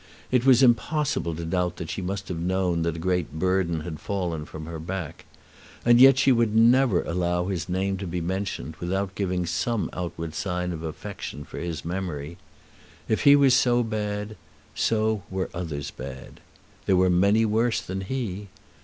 It was impossible to doubt that she must have known that a great burden had fallen from her back. And yet she would never allow his name to be mentioned without giving some outward sign of affection for his memory. If he was bad, so were others bad. There were many worse than he.